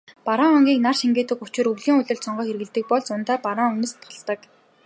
Бараан өнгийг нар шингээдэг учир өвлийн улиралд сонгон хэрэглэдэг бол зундаа бараан өнгөнөөс татгалздаг.